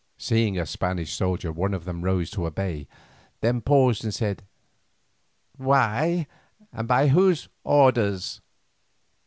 Seeing a Spanish soldier one of them rose to obey, then paused and said: "Why, and by whose orders?"